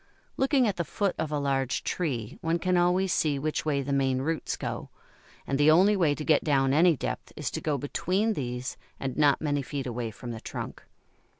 Looking at the foot of a large tree one can always see which way the main roots go, and the only way to get down any depth is to go between these and not many feet away from the trunk.